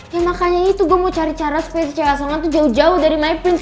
ya makanya itu gue mau cari cara supaya si cewek asongan itu jauh jauh dari mypins